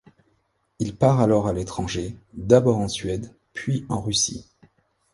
Il part alors à l'étranger, d'abord en Suède puis en Russie.